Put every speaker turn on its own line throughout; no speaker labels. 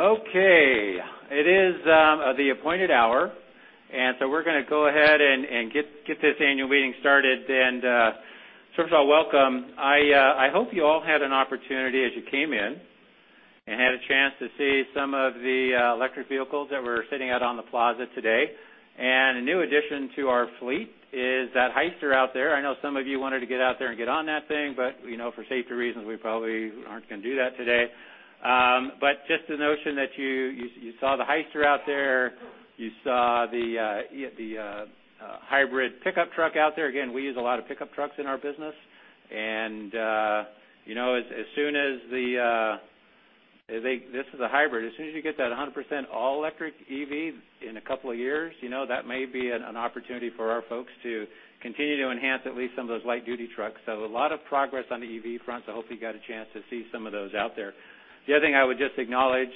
Okay. It is the appointed hour. We're going to go ahead and get this annual meeting started. First of all, welcome. I hope you all had an opportunity as you came in and had a chance to see some of the electric vehicles that were sitting out on the plaza today. A new addition to our fleet is that Hyster out there. I know some of you wanted to get out there and get on that thing. For safety reasons, we probably aren't going to do that today. Just the notion that you saw the Hyster out there, you saw the hybrid pickup truck out there. Again, we use a lot of pickup trucks in our business. This is a hybrid. As soon as you get that 100% all-electric EV in a couple of years, that may be an opportunity for our folks to continue to enhance at least some of those light-duty trucks. A lot of progress on the EV front. I hope you got a chance to see some of those out there. The other thing I would just acknowledge,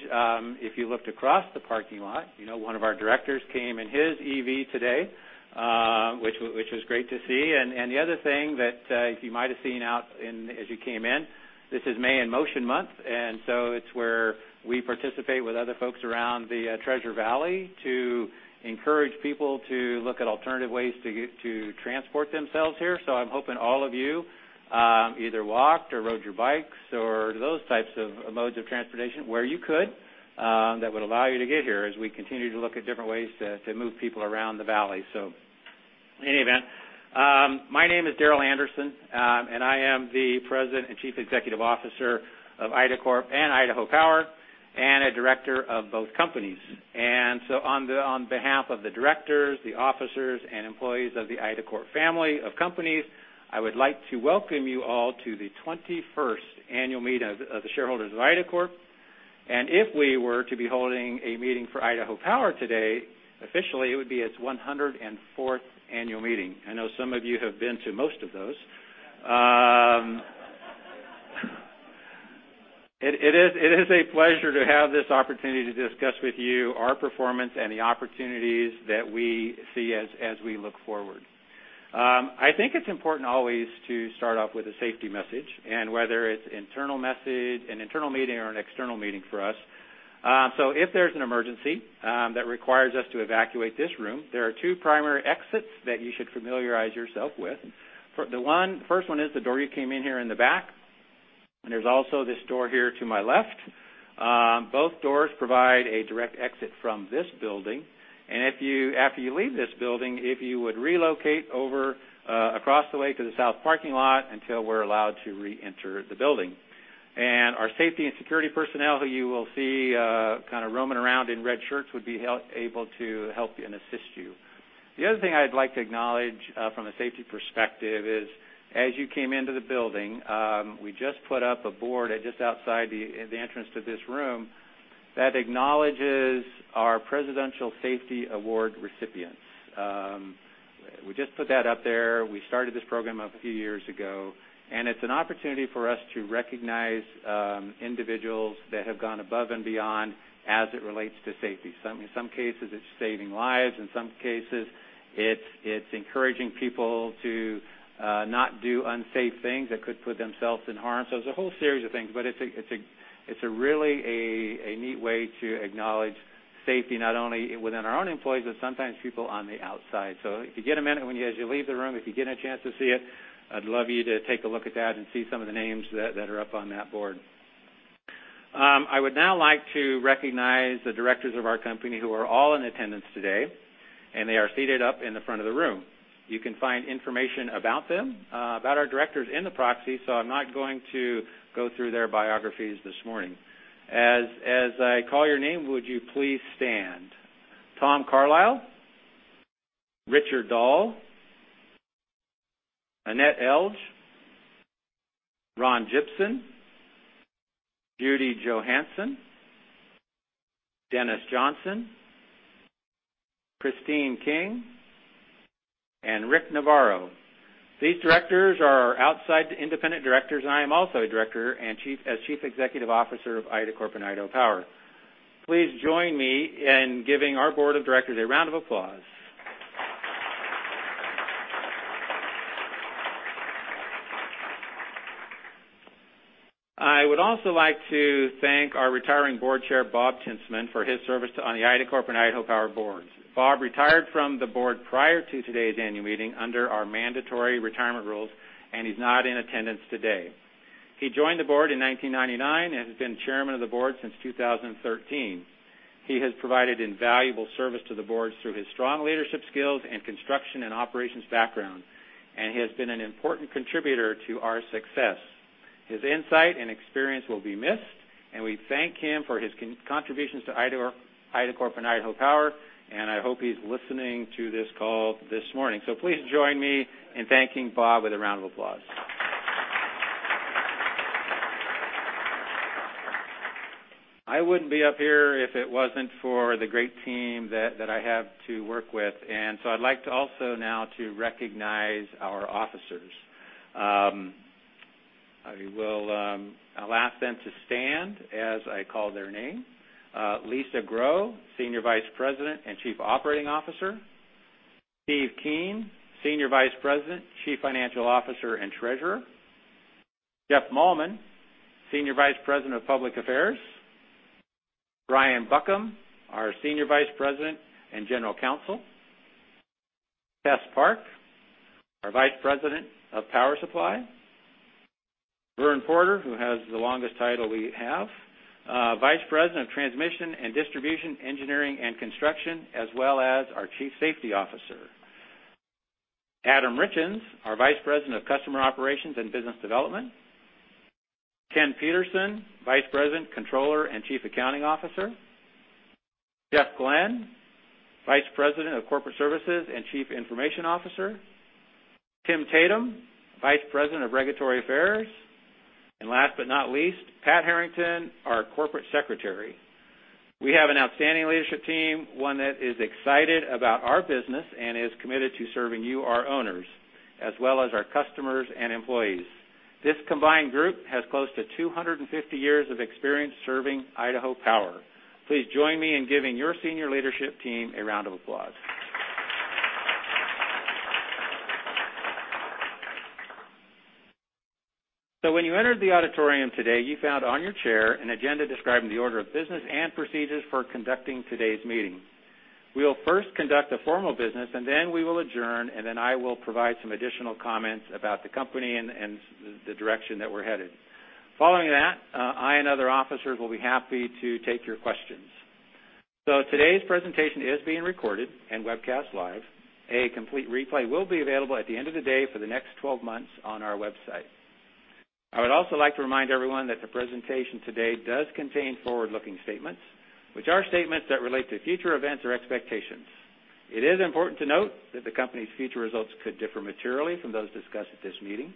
if you looked across the parking lot, one of our directors came in his EV today, which was great to see. The other thing that you might have seen as you came in, this is May in Motion Month. It's where we participate with other folks around the Treasure Valley to encourage people to look at alternative ways to transport themselves here. I'm hoping all of you either walked or rode your bikes or those types of modes of transportation where you could, that would allow you to get here as we continue to look at different ways to move people around the valley. In any event, my name is Darrel Anderson, and I am the President and Chief Executive Officer of Idacorp and Idaho Power, and a director of both companies. On behalf of the directors, the officers, and employees of the Idacorp family of companies, I would like to welcome you all to the 21st annual meeting of the shareholders of Idacorp. If we were to be holding a meeting for Idaho Power today, officially, it would be its 104th annual meeting. I know some of you have been to most of those. It is a pleasure to have this opportunity to discuss with you our performance and the opportunities that we see as we look forward. I think it's important always to start off with a safety message, whether it's an internal meeting or an external meeting for us. If there's an emergency that requires us to evacuate this room, there are two primary exits that you should familiarize yourself with. The first one is the door you came in here in the back. There's also this door here to my left. Both doors provide a direct exit from this building. After you leave this building, if you would relocate over across the way to the south parking lot until we're allowed to reenter the building. Our safety and security personnel, who you will see kind of roaming around in red shirts, would be able to help you and assist you. The other thing I'd like to acknowledge from a safety perspective is as you came into the building, we just put up a board just outside the entrance to this room that acknowledges our President's Award for Safety recipients. We just put that up there. We started this program a few years ago, and it's an opportunity for us to recognize individuals that have gone above and beyond as it relates to safety. In some cases, it's saving lives. In some cases, it's encouraging people to not do unsafe things that could put themselves in harm. It's a whole series of things, but it's really a neat way to acknowledge safety, not only within our own employees, but sometimes people on the outside. If you get a minute as you leave the room, if you get a chance to see it, I'd love you to take a look at that and see some of the names that are up on that board. I would now like to recognize the Directors of our company who are all in attendance today, and they are seated up in the front of the room. You can find information about them, about our Directors, in the proxy, so I'm not going to go through their biographies this morning. As I call your name, would you please stand? Tom Carlile, Richard Dahl, Annette Elg, Ron Jibson, Judy Johansen, Dennis Johnson, Christine King, and Rick Navarro. These Directors are our outside independent Directors, and I am also a Director as Chief Executive Officer of Idacorp and Idaho Power. Please join me in giving our Board of Directors a round of applause. I would also like to thank our retiring Board Chair, Bob Tinstman, for his service on the Idacorp and Idaho Power boards. Bob retired from the board prior to today's annual meeting under our mandatory retirement rules, and he's not in attendance today. He joined the board in 1999 and has been Chairman of the Board since 2013. He has provided invaluable service to the board through his strong leadership skills and construction and operations background and has been an important contributor to our success. His insight and experience will be missed, and we thank him for his contributions to Idacorp and Idaho Power, and I hope he's listening to this call this morning. Please join me in thanking Bob with a round of applause. I wouldn't be up here if it wasn't for the great team that I have to work with. I'd like to also now to recognize our Officers. I'll ask them to stand as I call their name. Lisa Grow, Senior Vice President and Chief Operating Officer. Steve Keen, Senior Vice President, Chief Financial Officer, and Treasurer. Jeff Malmen, Senior Vice President of Public Affairs. Brian Buckham, our Senior Vice President and General Counsel. Tess Park, our Vice President of Power Supply. Vern Porter, who has the longest title we have, Vice President of Transmission and Distribution, Engineering and Construction, as well as our Chief Safety Officer. Adam Richins, our Vice President of Customer Operations and Business Development. Ken Petersen, Vice President, Controller, and Chief Accounting Officer. Jeff Glenn, Vice President of Corporate Services and Chief Information Officer. Tim Tatum, Vice President of Regulatory Affairs. Last but not least, Pat Harrington, our Corporate Secretary. We have an outstanding leadership team, one that is excited about our business and is committed to serving you, our owners, as well as our customers and employees. This combined group has close to 250 years of experience serving Idaho Power. Please join me in giving your senior leadership team a round of applause. When you entered the auditorium today, you found on your chair an agenda describing the order of business and procedures for conducting today's meeting. We will first conduct a formal business and then we will adjourn, and then I will provide some additional comments about the company and the direction that we're headed. Following that, I and other officers will be happy to take your questions. Today's presentation is being recorded and webcast live. A complete replay will be available at the end of the day for the next 12 months on our website. I would also like to remind everyone that the presentation today does contain forward-looking statements, which are statements that relate to future events or expectations. It is important to note that the company's future results could differ materially from those discussed at this meeting.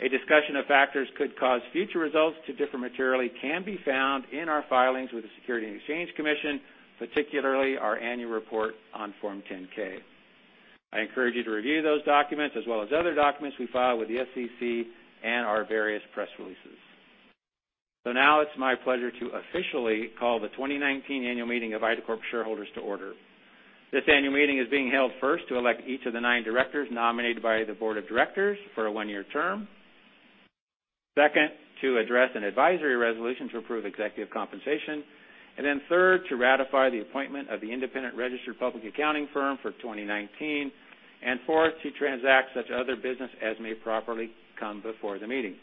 A discussion of factors could cause future results to differ materially can be found in our filings with the Securities and Exchange Commission, particularly our annual report on Form 10-K. I encourage you to review those documents as well as other documents we file with the SEC and our various press releases. Now it's my pleasure to officially call the 2019 annual meeting of Idacorp shareholders to order. This annual meeting is being held first to elect each of the nine directors nominated by the board of directors for a one-year term. Second, to address an advisory resolution to approve executive compensation. Then third, to ratify the appointment of the independent registered public accounting firm for 2019. Fourth, to transact such other business as may properly come before the meeting.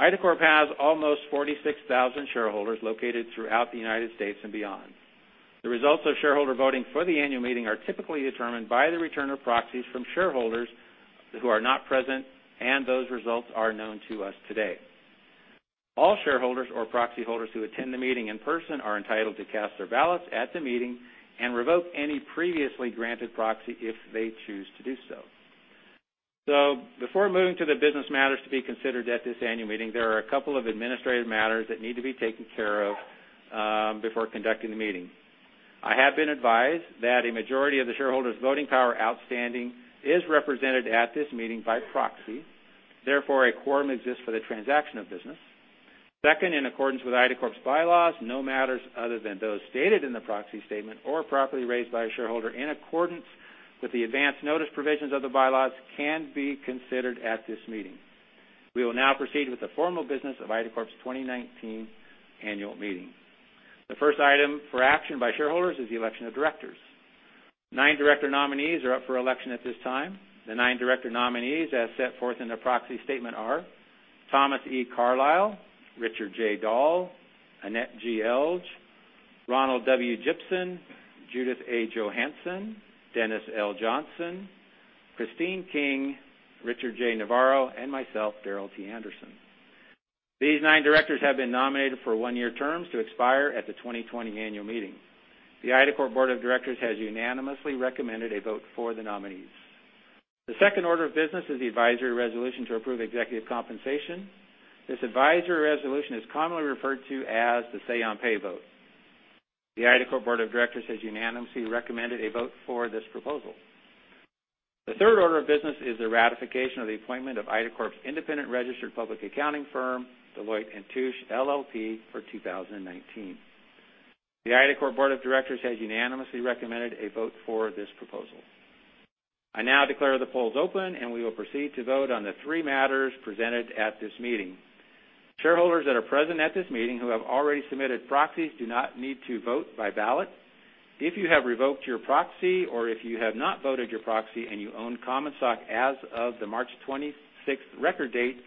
Idacorp has almost 46,000 shareholders located throughout the U.S. and beyond. The results of shareholder voting for the annual meeting are typically determined by the return of proxies from shareholders who are not present, and those results are known to us today. All shareholders or proxy holders who attend the meeting in person are entitled to cast their ballots at the meeting and revoke any previously granted proxy if they choose to do so. Before moving to the business matters to be considered at this annual meeting, there are a couple of administrative matters that need to be taken care of before conducting the meeting. I have been advised that a majority of the shareholders' voting power outstanding is represented at this meeting by proxy. Therefore, a quorum exists for the transaction of business. Second, in accordance with Idacorp's bylaws, no matters other than those stated in the proxy statement or properly raised by a shareholder in accordance with the advance notice provisions of the bylaws can be considered at this meeting. We will now proceed with the formal business of Idacorp's 2019 annual meeting. The first item for action by shareholders is the election of directors. Nine director nominees are up for election at this time. The nine director nominees, as set forth in their proxy statement are Thomas E. Carlile, Richard J. Dahl, Annette G. Elg, Ronald W. Jibson, Judith A. Johansen, Dennis L. Johnson, Christine King, Richard J. Navarro, and myself, Darrel T. Anderson. These nine directors have been nominated for one-year terms to expire at the 2020 annual meeting. The Idacorp Board of Directors has unanimously recommended a vote for the nominees. The second order of business is the advisory resolution to approve executive compensation. This advisory resolution is commonly referred to as the say-on-pay vote. The Idacorp Board of Directors has unanimously recommended a vote for this proposal. The third order of business is the ratification of the appointment of Idacorp's independent registered public accounting firm, Deloitte & Touche LLP, for 2019. The Idacorp Board of Directors has unanimously recommended a vote for this proposal. I now declare the polls open, and we will proceed to vote on the three matters presented at this meeting. Shareholders that are present at this meeting who have already submitted proxies do not need to vote by ballot. If you have revoked your proxy or if you have not voted your proxy and you own common stock as of the March 26th record date,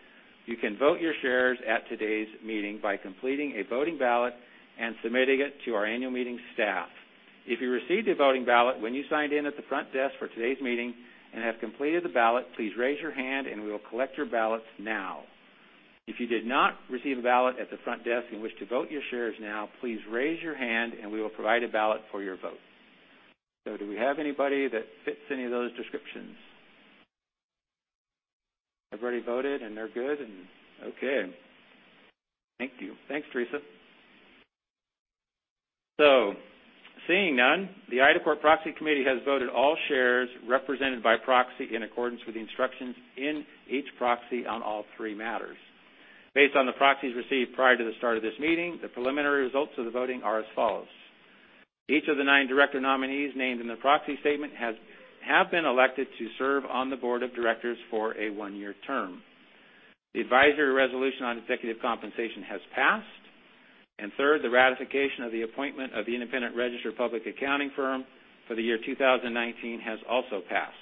you can vote your shares at today's meeting by completing a voting ballot and submitting it to our annual meeting staff. If you received a voting ballot when you signed in at the front desk for today's meeting and have completed the ballot, please raise your hand and we will collect your ballots now. If you did not receive a ballot at the front desk and wish to vote your shares now, please raise your hand and we will provide a ballot for your vote. Do we have anybody that fits any of those descriptions? Everybody voted and they're good and Okay. Thank you. Thanks, Theresa. Seeing none, the Idacorp proxy committee has voted all shares represented by proxy in accordance with the instructions in each proxy on all three matters. Based on the proxies received prior to the start of this meeting, the preliminary results of the voting are as follows. Each of the nine director nominees named in the proxy statement have been elected to serve on the Board of Directors for a one-year term. The advisory resolution on executive compensation has passed. Third, the ratification of the appointment of the independent registered public accounting firm for the year 2019 has also passed.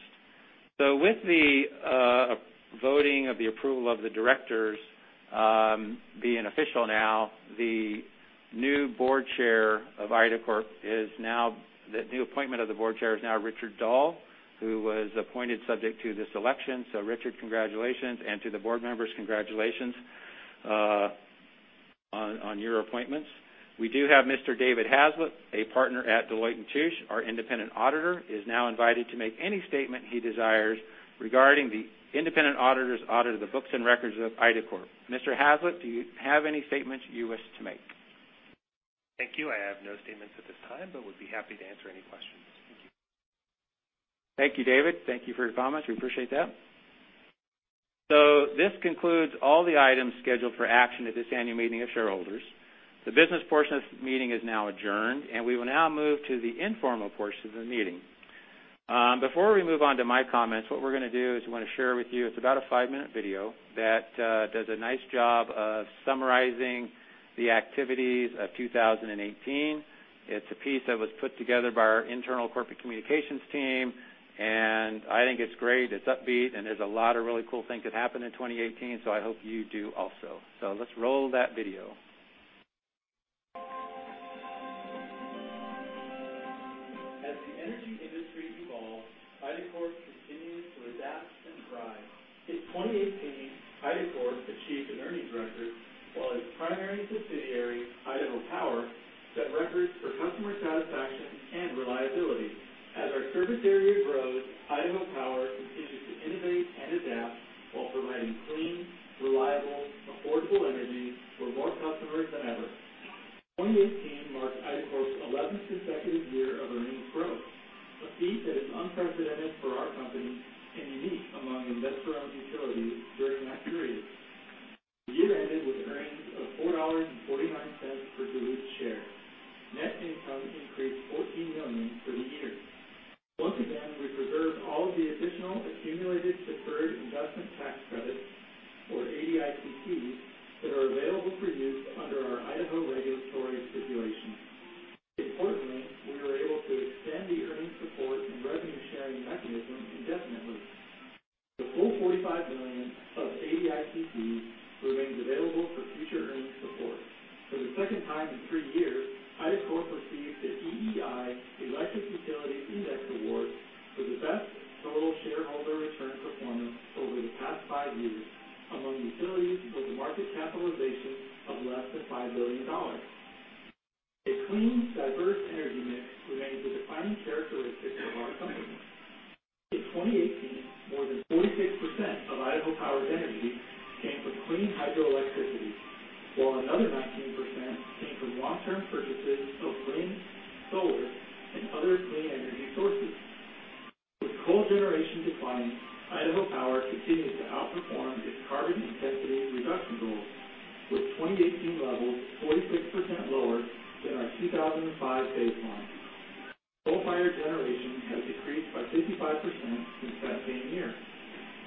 With the voting of the approval of the directors being official now, the new appointment of the Board Chair is now Richard Dahl, who was appointed subject to this election. Richard, congratulations. To the board members, congratulations on your appointments. We do have Mr. David Hazlett, a partner at Deloitte & Touche. Our independent auditor is now invited to make any statement he desires regarding the independent auditor's audit of the books and records of Idacorp. Mr. Hazlett, do you have any statements you wish to make?
Thank you. I have no statements at this time, but would be happy to answer any questions. Thank you.
Thank you, David. Thank you for your comments. We appreciate that. This concludes all the items scheduled for action at this annual meeting of shareholders. The business portion of this meeting is now adjourned, and we will now move to the informal portion of the meeting. Before we move on to my comments, we want to share with you, it's about a five-minute video that does a nice job of summarizing the activities of 2018. It's a piece that was put together by our internal corporate communications team, and I think it's great. It's upbeat, and there's a lot of really cool things that happened in 2018. I hope you do also. Let's roll that video.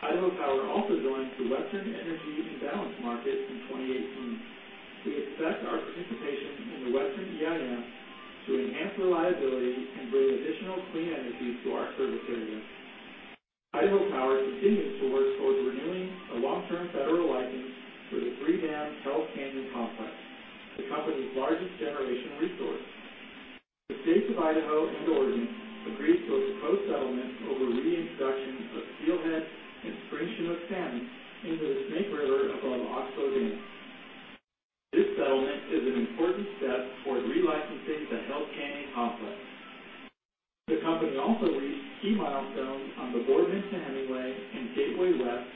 Idaho Power also joined the Western Energy Imbalance Market in 2018. We expect our participation in the Western EIM to enhance reliability and bring additional clean energy to our service area. Idaho Power continues to work towards renewing a long-term federal license for the three-dam Hells Canyon Complex, the company's largest generation resource. The State of Idaho and Oregon agreed to a proposed settlement over reintroduction of steelhead and spring Chinook salmon into the Snake River above Oxbow Dam. This settlement is an important step toward relicensing the Hells Canyon Complex. The company also reached key milestones on the Boardman to Hemingway and Gateway West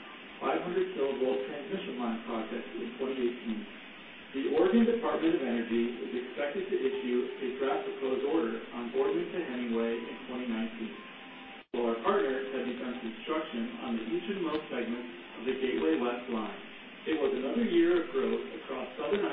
500 kilovolt transmission line projects in 2018. The Oregon Department of Energy is expected to issue a draft proposed order on Boardman to Hemingway in 2019, while our partners have begun construction on the easternmost segment of the Gateway West line. It was another year of growth across southern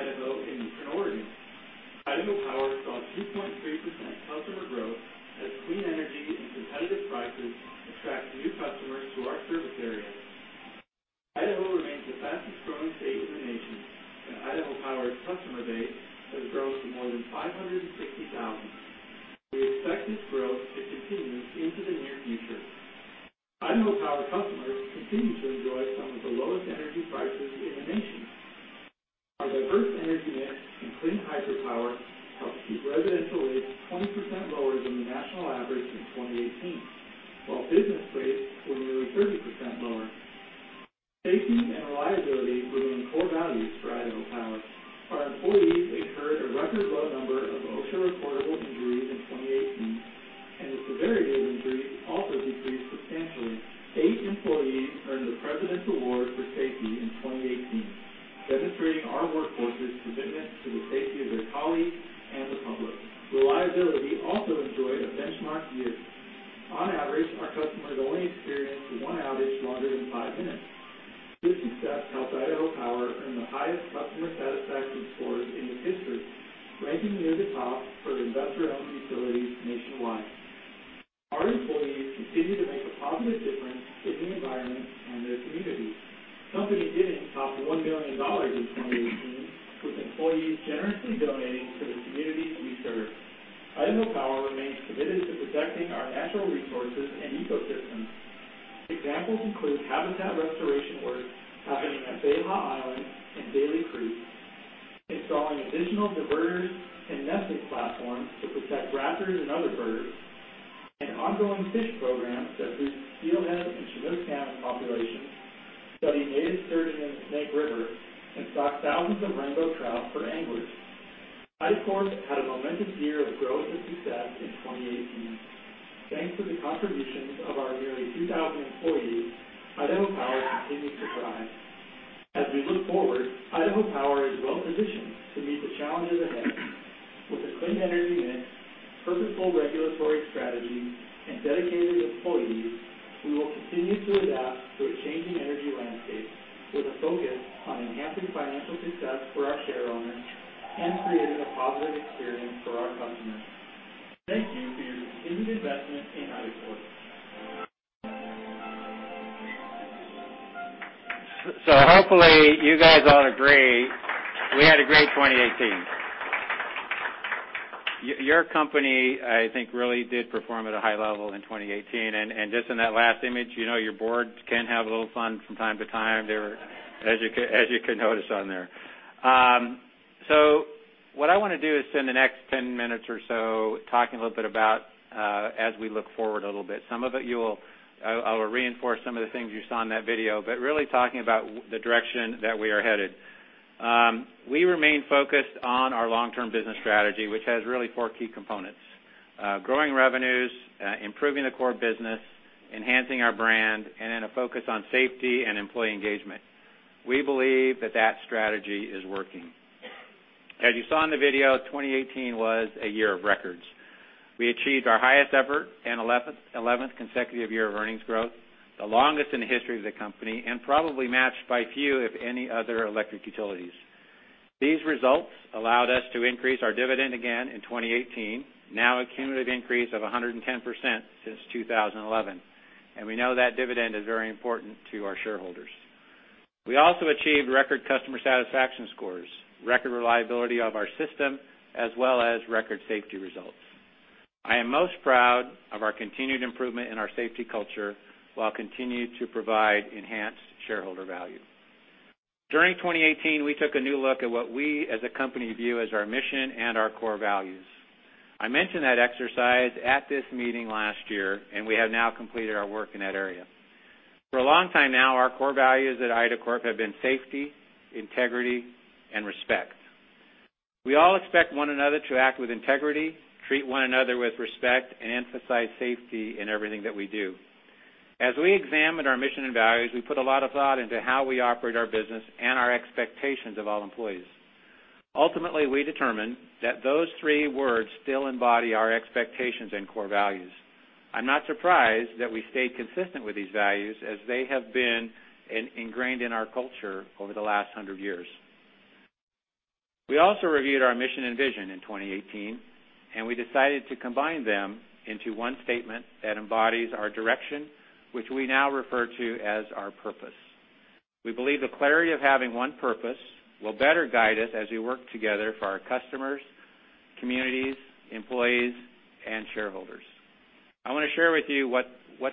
Idacorp had a momentous year of growth and success in 2018. Thanks to the contributions of our nearly 2,000 employees, Idaho Power continued to thrive. As we look forward, Idaho Power is well-positioned to meet the challenges ahead. With a clean energy mix, purposeful regulatory strategy, and dedicated employees, we will continue to adapt to a changing energy landscape with a focus on enhancing financial success for our share owners and creating a positive experience for our customers. Thank you for your continued investment in Idacorp.
Hopefully you guys all agree we had a great 2018. Your company, I think really did perform at a high level in 2018, just in that last image, your board can have a little fun from time to time. They were, as you can notice on there. What I want to do is spend the next 10 minutes or so talking a little bit about as we look forward a little bit. I will reinforce some of the things you saw in that video, but really talking about the direction that we are headed. We remain focused on our long-term business strategy, which has really four key components. Growing revenues, improving the core business, enhancing our brand, a focus on safety and employee engagement. We believe that strategy is working. As you saw in the video, 2018 was a year of records. We achieved our highest-ever and 11th consecutive year of earnings growth, the longest in the history of the company, probably matched by few, if any, other electric utilities. These results allowed us to increase our dividend again in 2018, now a cumulative increase of 110% since 2011. We know that dividend is very important to our shareholders. We also achieved record customer satisfaction scores, record reliability of our system, as well as record safety results. I am most proud of our continued improvement in our safety culture, while continuing to provide enhanced shareholder value. During 2018, we took a new look at what we as a company view as our mission and our core values. I mentioned that exercise at this meeting last year, we have now completed our work in that area. For a long time now, our core values at Idacorp have been safety, integrity, and respect. We all expect one another to act with integrity, treat one another with respect, and emphasize safety in everything that we do. As we examined our mission and values, we put a lot of thought into how we operate our business and our expectations of all employees. Ultimately, we determined that those three words still embody our expectations and core values. I'm not surprised that we stayed consistent with these values as they have been ingrained in our culture over the last 100 years. We also reviewed our mission and vision in 2018, we decided to combine them into one statement that embodies our direction, which we now refer to as our purpose. We believe the clarity of having one purpose will better guide us as we work together for our customers, communities, employees, shareholders. I want to share with you what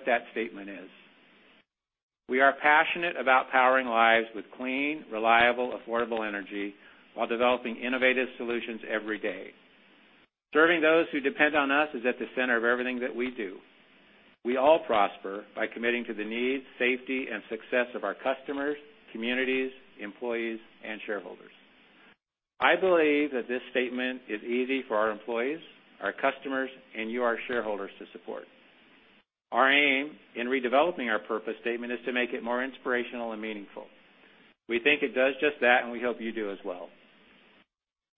that statement is. We are passionate about powering lives with clean, reliable, affordable energy while developing innovative solutions every day. Serving those who depend on us is at the center of everything that we do. We all prosper by committing to the needs, safety, and success of our customers, communities, employees, shareholders. I believe that this statement is easy for our employees, our customers, you, our shareholders, to support. Our aim in redeveloping our purpose statement is to make it more inspirational and meaningful. We think it does just that, we hope you do as well.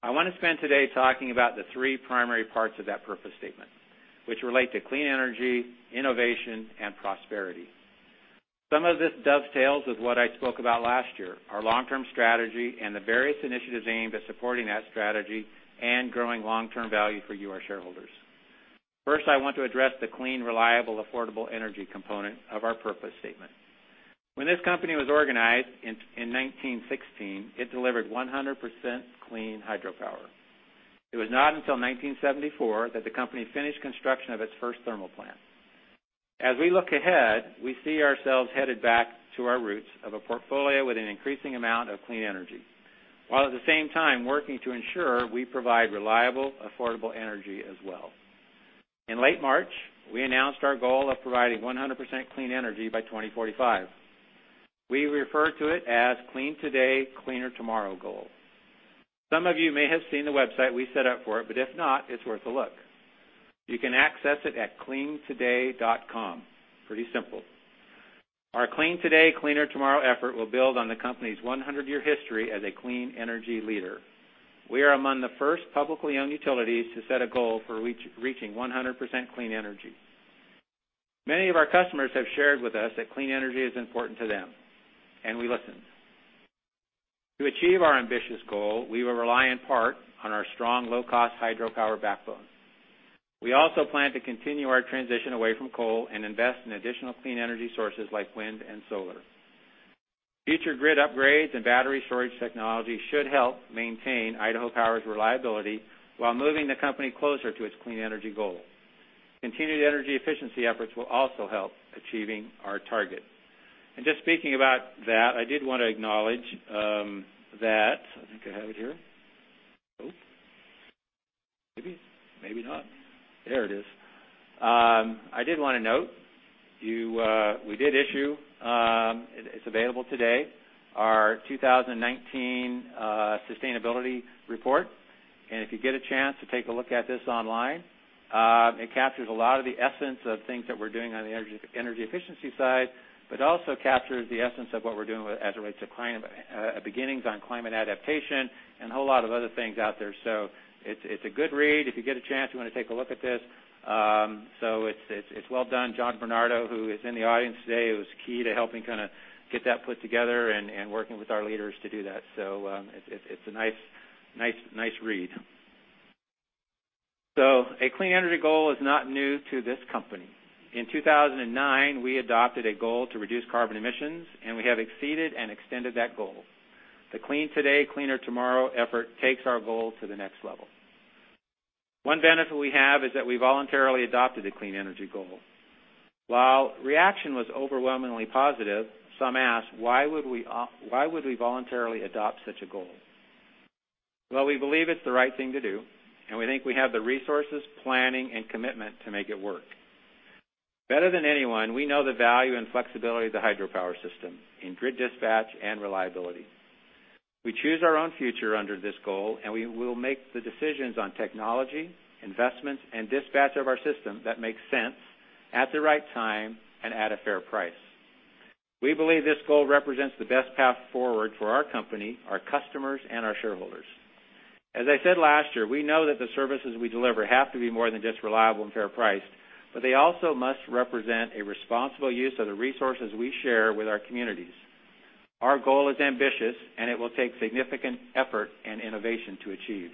I want to spend today talking about the three primary parts of that purpose statement, which relate to clean energy, innovation, and prosperity. Some of this dovetails with what I spoke about last year, our long-term strategy and the various initiatives aimed at supporting that strategy and growing long-term value for you, our shareholders. I want to address the clean, reliable, affordable energy component of our purpose statement. When this company was organized in 1916, it delivered 100% clean hydropower. It was not until 1974 that the company finished construction of its first thermal plant. As we look ahead, we see ourselves headed back to our roots of a portfolio with an increasing amount of clean energy, while at the same time working to ensure we provide reliable, affordable energy as well. In late March, we announced our goal of providing 100% clean energy by 2045. We refer to it as Clean Today, Cleaner Tomorrow goal. Some of you may have seen the website we set up for it, but if not, it's worth a look. You can access it at cleantoday.com. Pretty simple. Our Clean Today, Cleaner Tomorrow effort will build on the company's 100-year history as a clean energy leader. We are among the first publicly owned utilities to set a goal for reaching 100% clean energy. Many of our customers have shared with us that clean energy is important to them, and we listened. To achieve our ambitious goal, we will rely in part on our strong low-cost hydropower backbone. We also plan to continue our transition away from coal and invest in additional clean energy sources like wind and solar. Future grid upgrades and battery storage technology should help maintain Idaho Power's reliability while moving the company closer to its clean energy goal. Continued energy efficiency efforts will also help achieving our target. Just speaking about that, I did want to acknowledge that I think I have it here. Nope. Maybe, maybe not. There it is. I did want to note, we did issue, it's available today, our 2019 sustainability report. If you get a chance to take a look at this online, it captures a lot of the essence of things that we're doing on the energy efficiency side, but also captures the essence of what we're doing as it relates to beginnings on climate adaptation and a whole lot of other things out there. It's a good read. If you get a chance, you want to take a look at this. It's well done. John Bernardo, who is in the audience today, was key to helping get that put together and working with our leaders to do that. It's a nice read. A clean energy goal is not new to this company. In 2009, we adopted a goal to reduce carbon emissions, and we have exceeded and extended that goal. The Clean Today, Cleaner Tomorrow effort takes our goal to the next level. One benefit we have is that we voluntarily adopted a clean energy goal. While reaction was overwhelmingly positive, some asked, "Why would we voluntarily adopt such a goal?" Well, we believe it's the right thing to do, and we think we have the resources, planning, and commitment to make it work. Better than anyone, we know the value and flexibility of the hydropower system in grid dispatch and reliability. We choose our own future under this goal, we will make the decisions on technology, investments, and dispatch of our system that makes sense at the right time and at a fair price. We believe this goal represents the best path forward for our company, our customers, and our shareholders. As I said last year, we know that the services we deliver have to be more than just reliable and fair-priced, they also must represent a responsible use of the resources we share with our communities. Our goal is ambitious, it will take significant effort and innovation to achieve.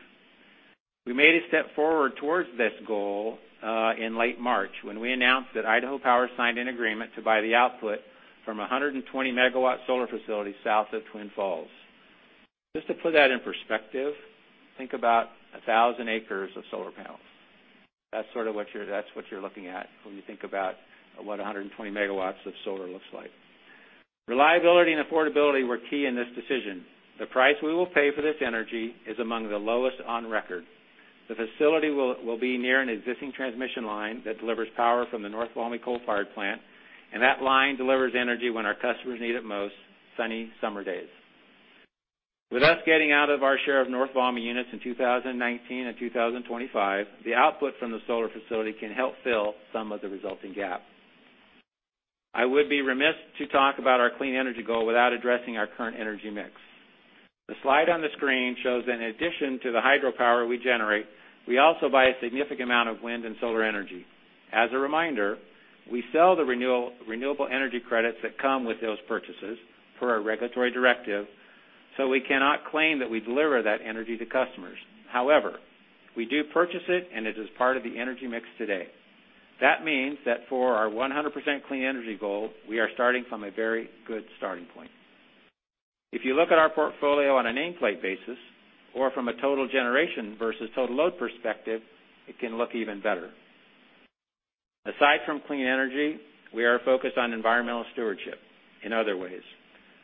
We made a step forward towards this goal, in late March, when we announced that Idaho Power signed an agreement to buy the output from 120-megawatt solar facility south of Twin Falls. Just to put that in perspective, think about 1,000 acres of solar panels. That's what you're looking at when you think about what 120 megawatts of solar looks like. Reliability and affordability were key in this decision. The price we will pay for this energy is among the lowest on record. The facility will be near an existing transmission line that delivers power from the North Valmy coal-fired plant, that line delivers energy when our customers need it most, sunny summer days. With us getting out of our share of North Valmy units in 2019 and 2025, the output from the solar facility can help fill some of the resulting gap. I would be remiss to talk about our clean energy goal without addressing our current energy mix. The slide on the screen shows that in addition to the hydropower we generate, we also buy a significant amount of wind and solar energy. As a reminder, we sell the Renewable Energy Credits that come with those purchases per our regulatory directive, we cannot claim that we deliver that energy to customers. However, we do purchase it, and it is part of the energy mix today. That means that for our 100% clean energy goal, we are starting from a very good starting point. If you look at our portfolio on a nameplate basis or from a total generation versus total load perspective, it can look even better. Aside from clean energy, we are focused on environmental stewardship in other ways.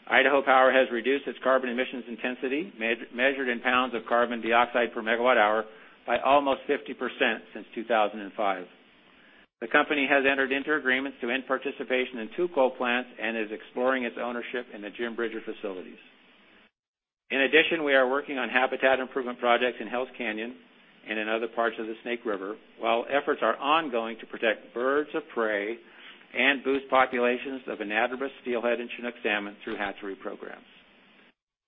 Idaho Power has reduced its carbon emissions intensity, measured in pounds of carbon dioxide per megawatt hour, by almost 50% since 2005. The company has entered into agreements to end participation in two coal plants and is exploring its ownership in the Jim Bridger facilities. In addition, we are working on habitat improvement projects in Hells Canyon and in other parts of the Snake River, while efforts are ongoing to protect birds of prey and boost populations of anadromous steelhead and Chinook salmon through hatchery programs.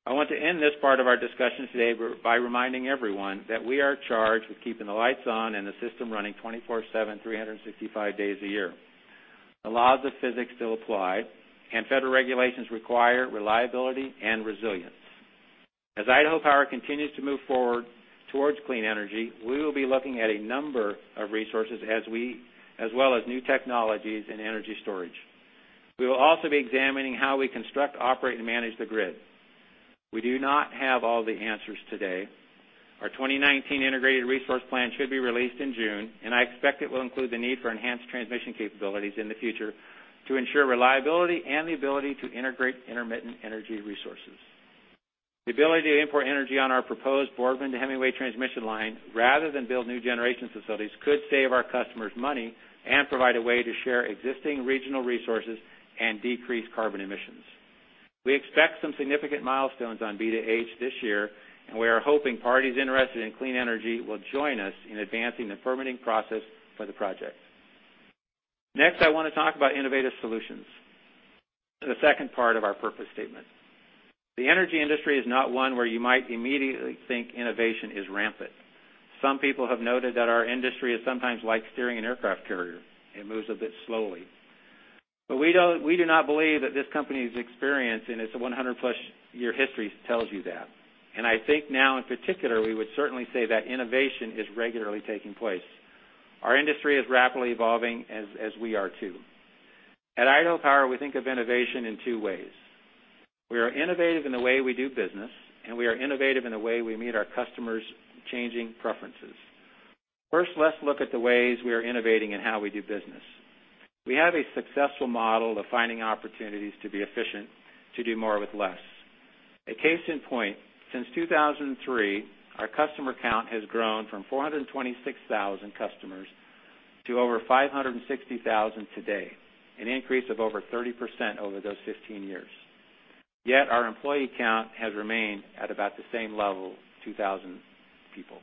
I want to end this part of our discussion today by reminding everyone that we are charged with keeping the lights on and the system running 24/7, 365 days a year. The laws of physics still apply, federal regulations require reliability and resilience. As Idaho Power continues to move forward towards clean energy, we will be looking at a number of resources, as well as new technologies and energy storage. We will also be examining how we construct, operate, and manage the grid. We do not have all the answers today. Our 2019 integrated resource plan should be released in June. I expect it will include the need for enhanced transmission capabilities in the future to ensure reliability and the ability to integrate intermittent energy resources. The ability to import energy on our proposed Boardman to Hemingway transmission line rather than build new generation facilities could save our customers money and provide a way to share existing regional resources and decrease carbon emissions. We expect some significant milestones on B2H this year. We are hoping parties interested in clean energy will join us in advancing the permitting process for the project. Next, I want to talk about innovative solutions, the second part of our purpose statement. The energy industry is not one where you might immediately think innovation is rampant. Some people have noted that our industry is sometimes like steering an aircraft carrier. It moves a bit slowly. We do not believe that this company's experience and its 100-plus year history tells you that. I think now in particular, we would certainly say that innovation is regularly taking place. Our industry is rapidly evolving as we are too. At Idaho Power, we think of innovation in two ways. We are innovative in the way we do business. We are innovative in the way we meet our customers' changing preferences. First, let's look at the ways we are innovating in how we do business. We have a successful model of finding opportunities to be efficient, to do more with less. A case in point, since 2003, our customer count has grown from 426,000 customers to over 560,000 today, an increase of over 30% over those 15 years. Yet our employee count has remained at about the same level, 2,000 people.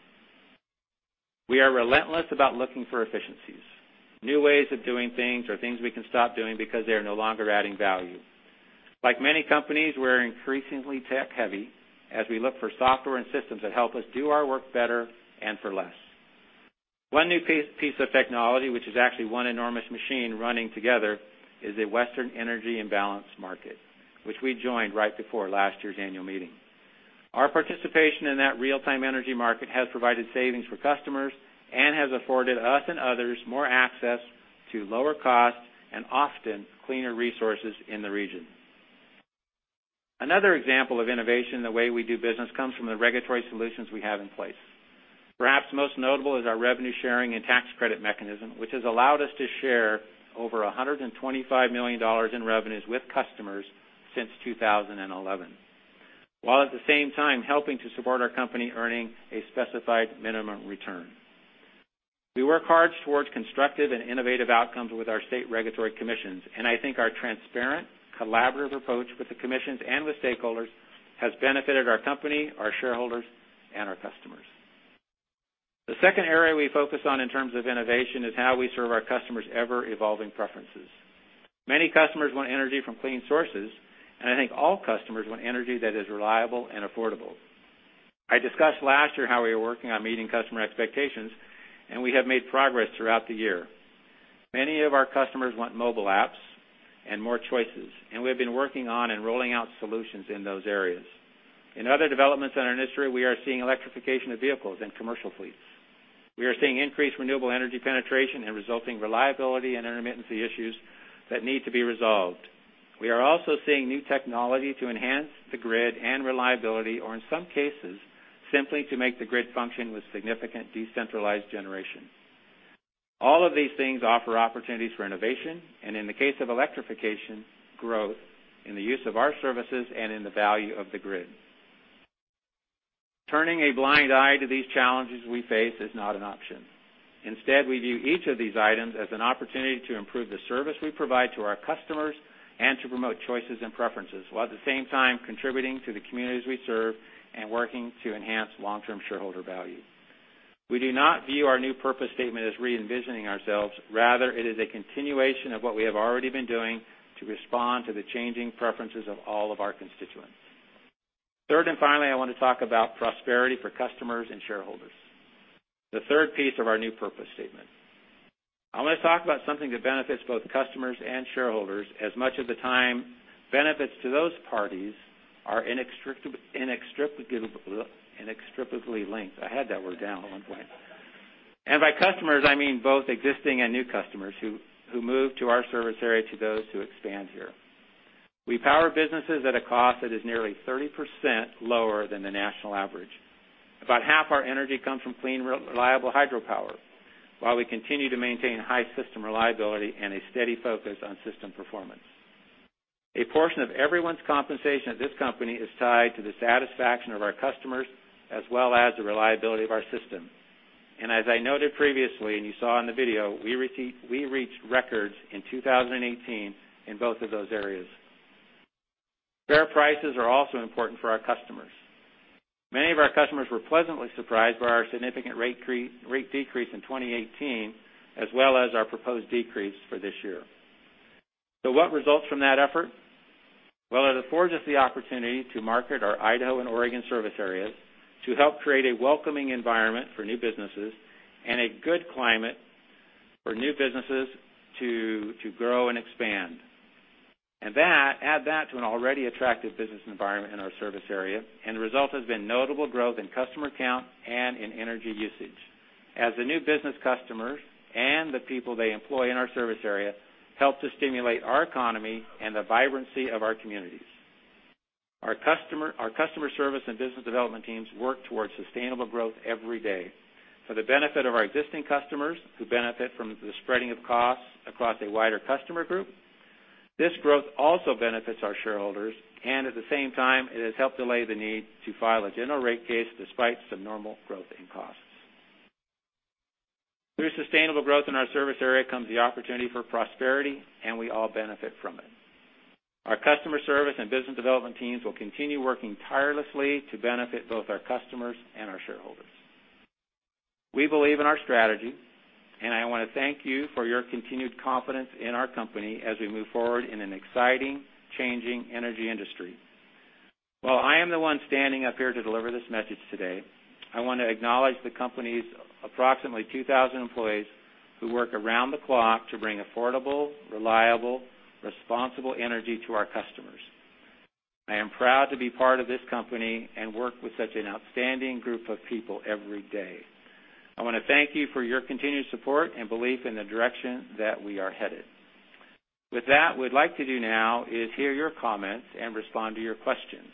We are relentless about looking for efficiencies, new ways of doing things, or things we can stop doing because they are no longer adding value. Like many companies, we're increasingly tech-heavy as we look for software and systems that help us do our work better and for less. One new piece of technology, which is actually one enormous machine running together, is a Western Energy Imbalance Market, which we joined right before last year's annual meeting. Our participation in that real-time energy market has provided savings for customers and has afforded us and others more access to lower cost and often cleaner resources in the region. Another example of innovation in the way we do business comes from the regulatory solutions we have in place. Perhaps most notable is our revenue sharing and tax credit mechanism, which has allowed us to share over $125 million in revenues with customers since 2011, while at the same time helping to support our company earning a specified minimum return. We work hard towards constructive and innovative outcomes with our state regulatory commissions. I think our transparent, collaborative approach with the commissions and with stakeholders has benefited our company, our shareholders, and our customers. The second area we focus on in terms of innovation is how we serve our customers' ever-evolving preferences. Many customers want energy from clean sources. I think all customers want energy that is reliable and affordable. I discussed last year how we were working on meeting customer expectations. We have made progress throughout the year. Many of our customers want mobile apps and more choices, and we have been working on and rolling out solutions in those areas. In other developments in our industry, we are seeing electrification of vehicles and commercial fleets. We are seeing increased renewable energy penetration and resulting reliability and intermittency issues that need to be resolved. We are also seeing new technology to enhance the grid and reliability or, in some cases, simply to make the grid function with significant decentralized generation. All of these things offer opportunities for innovation and, in the case of electrification, growth in the use of our services and in the value of the grid. Turning a blind eye to these challenges we face is not an option. Instead, we view each of these items as an opportunity to improve the service we provide to our customers and to promote choices and preferences, while at the same time contributing to the communities we serve and working to enhance long-term shareholder value. We do not view our new purpose statement as re-envisioning ourselves. Rather, it is a continuation of what we have already been doing to respond to the changing preferences of all of our constituents. Third and finally, I want to talk about prosperity for customers and shareholders. The third piece of our new purpose statement. I want to talk about something that benefits both customers and shareholders as much of the time benefits to those parties are inextricably linked. I had that word down at one point. By customers, I mean both existing and new customers who move to our service area, to those who expand here. We power businesses at a cost that is nearly 30% lower than the national average. About half our energy comes from clean, reliable hydropower, while we continue to maintain high system reliability and a steady focus on system performance. A portion of everyone's compensation at this company is tied to the satisfaction of our customers as well as the reliability of our system. As I noted previously and you saw in the video, we reached records in 2018 in both of those areas. Fair prices are also important for our customers. Many of our customers were pleasantly surprised by our significant rate decrease in 2018, as well as our proposed decrease for this year. What results from that effort? Well, it affords us the opportunity to market our Idaho and Oregon service areas to help create a welcoming environment for new businesses and a good climate for new businesses to grow and expand. Add that to an already attractive business environment in our service area, and the result has been notable growth in customer count and in energy usage as the new business customers and the people they employ in our service area help to stimulate our economy and the vibrancy of our communities. Our customer service and business development teams work towards sustainable growth every day for the benefit of our existing customers, who benefit from the spreading of costs across a wider customer group. This growth also benefits our shareholders. At the same time, it has helped delay the need to file a general rate case despite some normal growth in costs. Through sustainable growth in our service area comes the opportunity for prosperity, and we all benefit from it. Our customer service and business development teams will continue working tirelessly to benefit both our customers and our shareholders. We believe in our strategy. I want to thank you for your continued confidence in our company as we move forward in an exciting, changing energy industry. While I am the one standing up here to deliver this message today, I want to acknowledge the company's approximately 2,000 employees who work around the clock to bring affordable, reliable, responsible energy to our customers. I am proud to be part of this company and work with such an outstanding group of people every day. I want to thank you for your continued support and belief in the direction that we are headed. With that, what we'd like to do now is hear your comments and respond to your questions.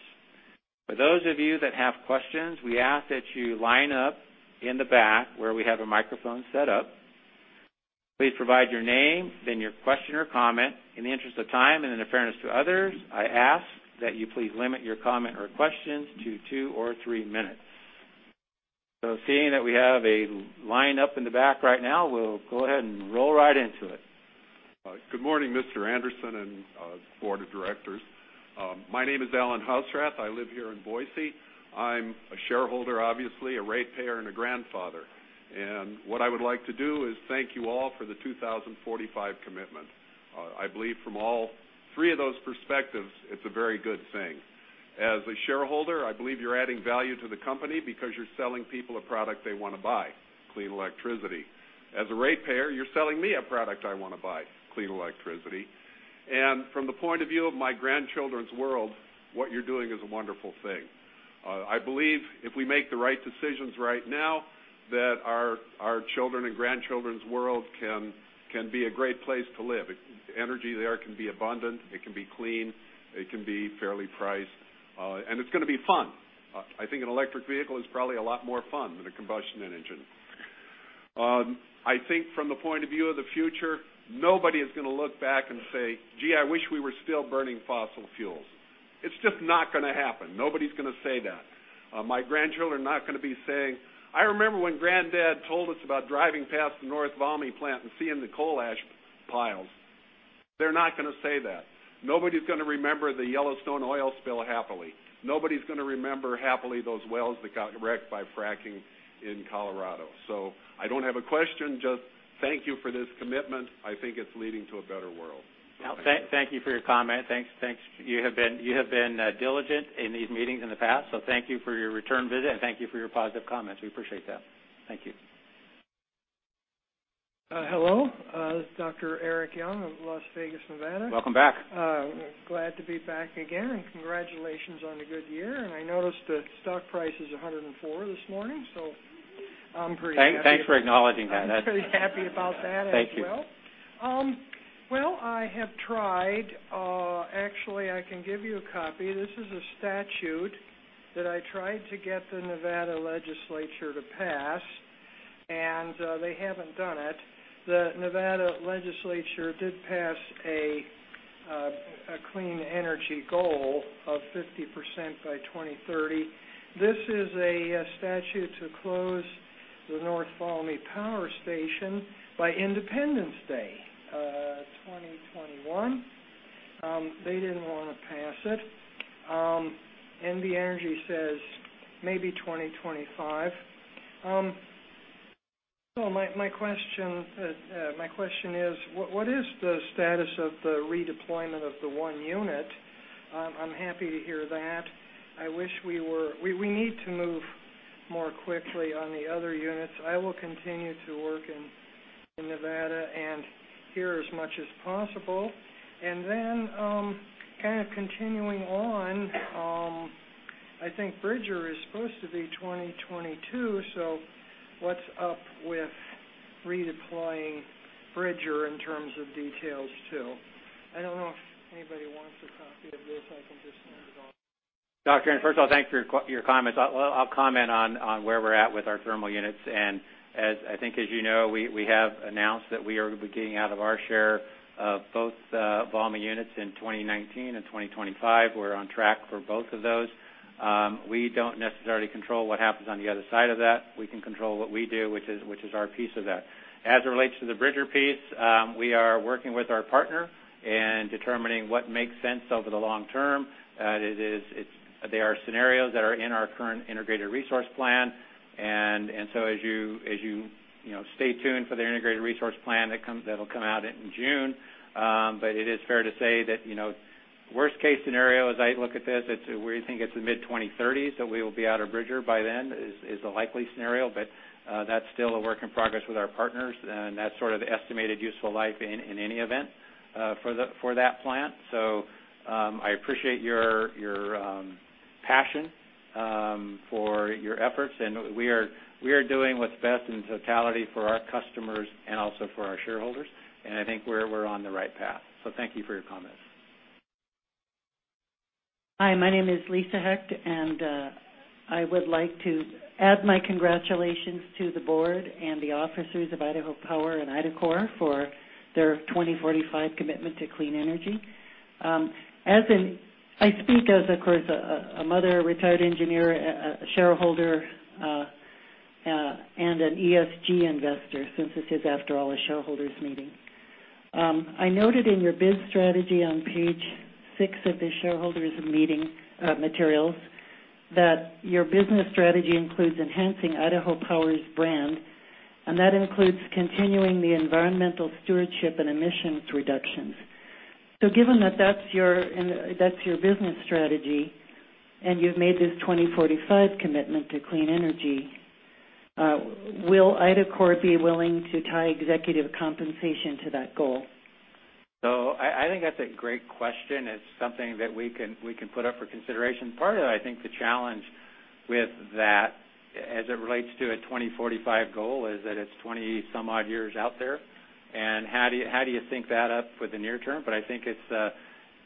For those of you that have questions, we ask that you line up in the back where we have a microphone set up. Please provide your name, then your question or comment. In the interest of time and in fairness to others, I ask that you please limit your comment or questions to two or three minutes. Seeing that we have a line up in the back right now, we'll go ahead and roll right into it.
Good morning, Mr. Anderson and board of directors. My name is Alan Houserath. I live here in Boise. I'm a shareholder, obviously, a ratepayer, and a grandfather. What I would like to do is thank you all for the 2045 commitment. I believe from all three of those perspectives, it's a very good thing. As a shareholder, I believe you're adding value to the company because you're selling people a product they want to buy, clean electricity. As a ratepayer, you're selling me a product I want to buy, clean electricity. From the point of view of my grandchildren's world, what you're doing is a wonderful thing. I believe if we make the right decisions right now that our children and grandchildren's world can be a great place to live. Energy there can be abundant, it can be clean, it can be fairly priced. It's going to be fun. I think an electric vehicle is probably a lot more fun than a combustion engine. I think from the point of view of the future, nobody is going to look back and say, "Gee, I wish we were still burning fossil fuels." It's just not going to happen. Nobody's going to say that. My grandchildren are not going to be saying, "I remember when Granddad told us about driving past the North Valmy plant and seeing the coal ash piles." They're not going to say that. Nobody's going to remember the Yellowstone oil spill happily. Nobody's going to remember happily those wells that got wrecked by fracking in Colorado. I don't have a question, just thank you for this commitment. I think it's leading to a better world.
Thank you for your comment. Thanks. You have been diligent in these meetings in the past, so thank you for your return visit, and thank you for your positive comments. We appreciate that. Thank you.
Hello. This is Dr. Eric Young of Las Vegas, Nevada.
Welcome back.
Glad to be back again, and congratulations on a good year. I noticed the stock price is $104 this morning, so I'm pretty happy.
Thanks for acknowledging that.
I'm pretty happy about that as well.
Thank you.
Well, I have tried. Actually, I can give you a copy. This is a statute that I tried to get the Nevada legislature to pass, and they haven't done it. The Nevada legislature did pass a clean energy goal of 50% by 2030. This is a statute to close the North Valmy Power Station by Independence Day 2021. They didn't want to pass it. NV Energy says maybe 2025. My question is, what is the status of the redeployment of the one unit? I'm happy to hear that. We need to move more quickly on the other units. I will continue to work in Nevada and here as much as possible. Kind of continuing on, I think Bridger is supposed to be 2022. What's up with redeploying Bridger in terms of details too? I don't know if anybody wants a copy of this. I can just hand it off.
Doctor, First of all, thank you for your comments. I'll comment on where we're at with our thermal units. As I think as you know, we have announced that we are going to be getting out of our share of both Valmy units in 2019 and 2025. We're on track for both of those. We don't necessarily control what happens on the other side of that. We can control what we do, which is our piece of that. As it relates to the Bridger piece, we are working with our partner and determining what makes sense over the long term. There are scenarios that are in our current integrated resource plan, as you stay tuned for the integrated resource plan that'll come out in June. It is fair to say that worst-case scenario, as I look at this, we think it's the mid-2030s that we will be out of Bridger by then is a likely scenario. That's still a work in progress with our partners, and that's sort of the estimated useful life in any event, for that plant. I appreciate your passion for your efforts, we are doing what's best in totality for our customers and also for our shareholders. I think we're on the right path. Thank you for your comments.
Hi, my name is Lisa Hecht. I would like to add my congratulations to the board and the officers of Idaho Power and Idacorp for their 2045 commitment to clean energy. I speak as, of course, a mother, a retired engineer, a shareholder, and an ESG investor, since this is, after all, a shareholders meeting. I noted in your biz strategy on page six of the shareholders meeting materials that your business strategy includes enhancing Idaho Power's brand, that includes continuing the environmental stewardship and emissions reductions. Given that that's your business strategy and you've made this 2045 commitment to clean energy, will Idacorp be willing to tie executive compensation to that goal?
I think that's a great question. It's something that we can put up for consideration. Part of, I think, the challenge with that, as it relates to a 2045 goal, is that it's 20-some odd years out there. How do you sync that up with the near term?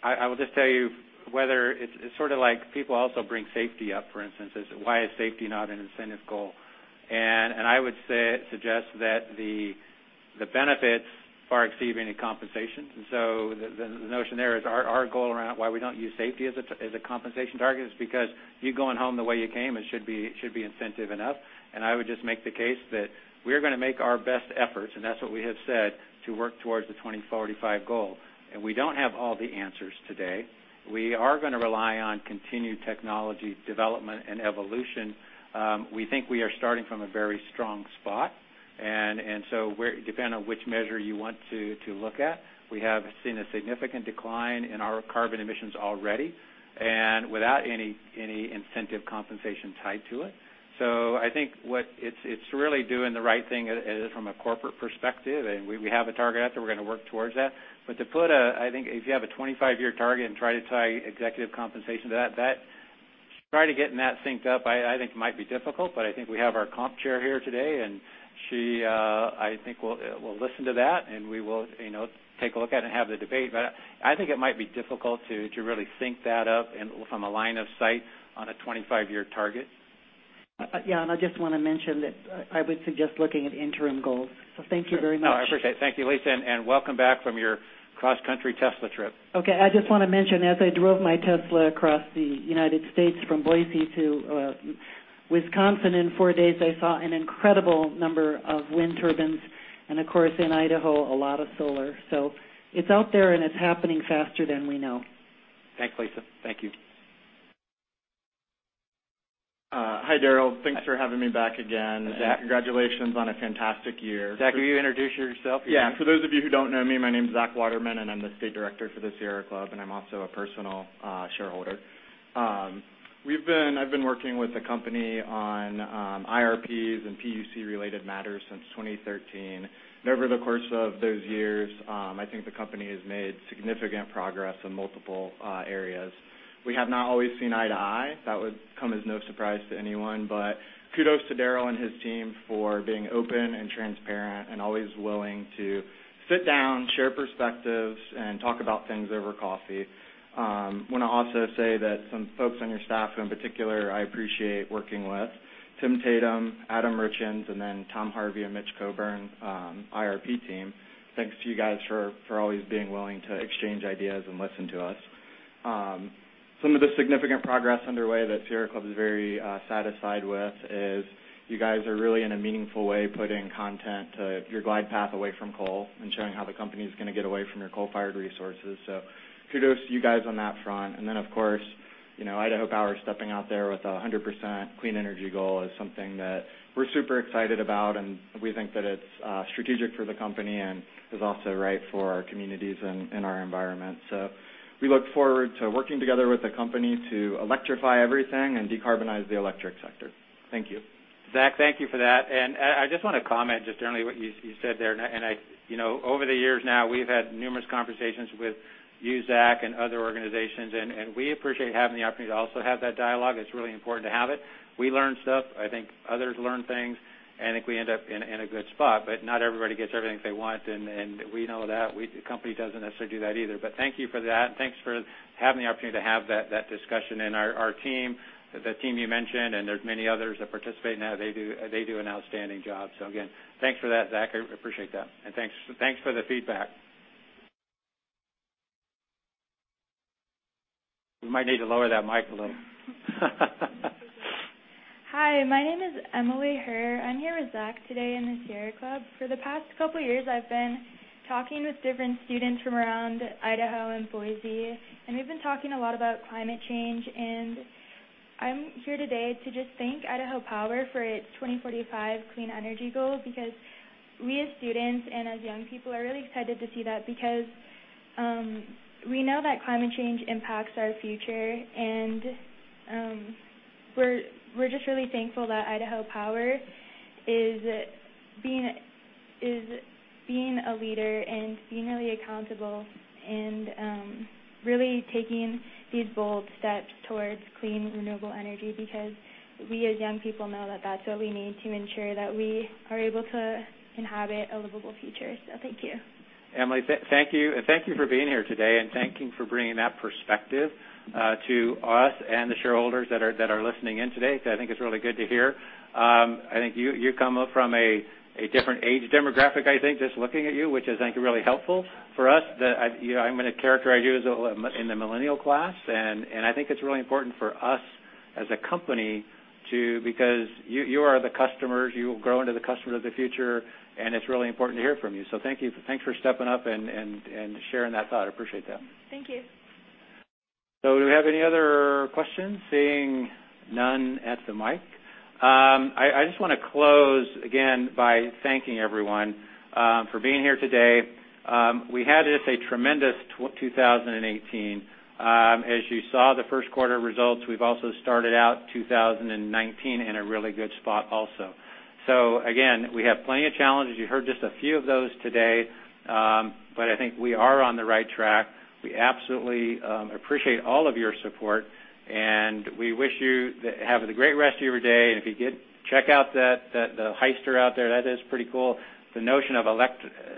I will just tell you, people also bring safety up, for instance. Why is safety not an incentive goal? I would suggest that the benefits far exceed any compensation. The notion there is our goal around why we don't use safety as a compensation target is because you're going home the way you came. It should be incentive enough. I would just make the case that we are going to make our best efforts, and that's what we have said, to work towards the 2045 goal. We don't have all the answers today. We are going to rely on continued technology development and evolution. We think we are starting from a very strong spot. Depending on which measure you want to look at, we have seen a significant decline in our carbon emissions already and without any incentive compensation tied to it. I think it's really doing the right thing from a corporate perspective. We have a target out there. We're going to work towards that. I think if you have a 25-year target and try to tie executive compensation to that, try to getting that synced up, I think might be difficult. I think we have our comp chair here today, and she, I think, will listen to that, and we will take a look at it and have the debate. I think it might be difficult to really sync that up from a line of sight on a 25-year target.
I just want to mention that I would suggest looking at interim goals. Thank you very much.
No, I appreciate it. Thank you, Lisa, and welcome back from your cross-country Tesla trip.
I just want to mention, as I drove my Tesla across the United States from Boise to Wisconsin, in four days, I saw an incredible number of wind turbines and, of course, in Idaho, a lot of solar. It's out there, and it's happening faster than we know.
Thanks, Lisa. Thank you.
Hi, Darrel. Thanks for having me back again.
Zach.
Congratulations on a fantastic year.
Zack, will you introduce yourself?
For those of you who don't know me, my name's Zack Waterman, and I'm the state director for the Sierra Club, and I'm also a personal shareholder. I've been working with the company on IRPs and PUC-related matters since 2013. Over the course of those years, I think the company has made significant progress in multiple areas. We have not always seen eye to eye. That would come as no surprise to anyone. Kudos to Darrel and his team for being open and transparent and always willing to sit down, share perspectives, and talk about things over coffee. Want to also say that some folks on your staff, who in particular I appreciate working with, Tim Tatum, Adam Richins, and then Tom Harvey and Mitch Colburn, IRP team. Thanks to you guys for always being willing to exchange ideas and listen to us. Some of the significant progress underway that Sierra Club is very satisfied with is you guys are really, in a meaningful way, putting content to your glide path away from coal and showing how the company's going to get away from your coal-fired resources. Kudos to you guys on that front. Then, of course, Idaho Power stepping out there with 100% clean energy goal is something that we're super excited about, and we think that it's strategic for the company and is also right for our communities and our environment. We look forward to working together with the company to electrify everything and decarbonize the electric sector. Thank you.
Zach, thank you for that. I just want to comment just generally what you said there. Over the years now, we've had numerous conversations with you, Zach, and other organizations. We appreciate having the opportunity to also have that dialogue. It's really important to have it. We learn stuff. I think others learn things, and I think we end up in a good spot. Not everybody gets everything they want, and we know that. The company doesn't necessarily do that either. Thank you for that, and thanks for having the opportunity to have that discussion. Our team, the team you mentioned, and there's many others that participate now, they do an outstanding job. Again, thanks for that, Zach. I appreciate that. Thanks for the feedback. We might need to lower that mic a little.
Hi, my name is Emily Herr. I'm here with Zach today and the Sierra Club. For the past couple years, I've been talking with different students from around Idaho and Boise, and we've been talking a lot about climate change. I'm here today to just thank Idaho Power for its 2045 clean energy goal because we, as students and as young people, are really excited to see that. Because we know that climate change impacts our future, and we're just really thankful that Idaho Power is being a leader and being really accountable and really taking these bold steps towards clean, renewable energy because we, as young people, know that that's what we need to ensure that we are able to inhabit a livable future. Thank you.
Emily, thank you. Thank you for being here today, and thank you for bringing that perspective to us and the shareholders that are listening in today, because I think it's really good to hear. I think you come from a different age demographic, I think, just looking at you, which is, I think, really helpful for us. I'm going to characterize you as in the millennial class. I think it's really important for us as a company too because you are the customers. You will grow into the customers of the future, and it's really important to hear from you. Thank you. Thanks for stepping up and sharing that thought. I appreciate that.
Thank you.
Do we have any other questions? Seeing none at the mic. I just want to close again by thanking everyone for being here today. We had just a tremendous 2018. As you saw the first quarter results, we've also started out 2019 in a really good spot also. Again, we have plenty of challenges. You heard just a few of those today. I think we are on the right track. We absolutely appreciate all of your support, and we wish you have a great rest of your day. If you get, check out the Hyster out there. That is pretty cool. The notion of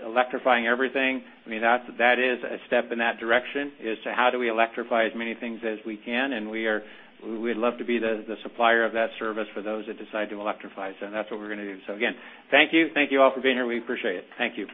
electrifying everything, that is a step in that direction, is to how do we electrify as many things as we can? We'd love to be the supplier of that service for those that decide to electrify. That's what we're going to do. Again, thank you. Thank you all for being here. We appreciate it. Thank you.